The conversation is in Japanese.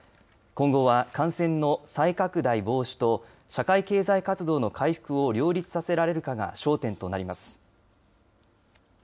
今後は感染の再拡大防止と社会経済活動の回復を両立させられるかが焦点となります。